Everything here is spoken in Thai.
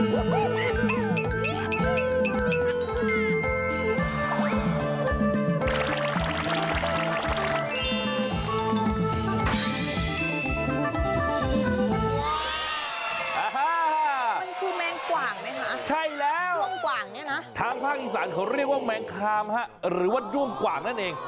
มันคือแมงกว่างไหมคะใช่แล้วด้วงกว่างเนี่ยนะทางภาคอีสานเขาเรียกว่าแมงคามฮะหรือว่าด้วงกว่างนั่นเอง